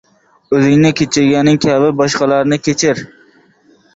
o‘zingni kechirganing kabi boshqalarni kechir.